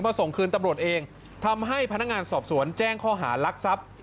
ส่งคืนตำรวจเองทำให้พนักงานสอบสวนแจ้งข้อหารักทรัพย์